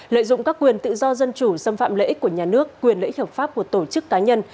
lợi dụng các quyền tự do dân chủ xâm phạm lợi ích của nhà nước quyền lợi ích hợp pháp của tổ chức cá nhân